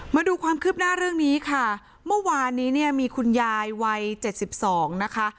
มาดูความคลิบหน้าเรื่องนี้ค่ะเมื่อวานนี้มีคุณยายวัย๗๒นะคะ